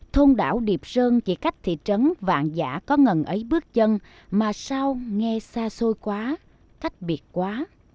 thôn đảo điệp sơn chỉ cách thị trấn vạn giả có ngần ấy bước chân mà sao nghe xa xôi quá thách biệt quá